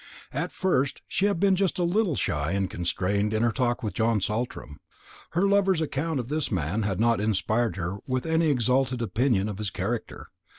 At first she had been just a little shy and constrained in her talk with John Saltram. Her lover's account of this man had not inspired her with any exalted opinion of his character.